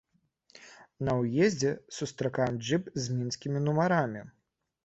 На ўездзе сустракаем джып з мінскімі нумарамі.